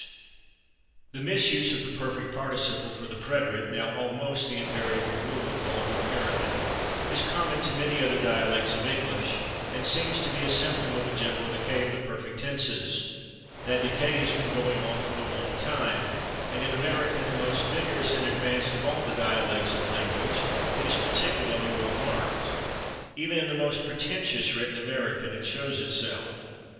The misuse of the perfect participle for the preterite, now almost the invariable rule in vulgar American, is common to many other dialects of English, and seems to be a symptom of a general decay of the perfect tenses. That decay has been going on for a long time, and in American, the most vigorous and advanced of all the dialects of the language, it is particularly well marked. Even in the most pretentious written American it shows itself.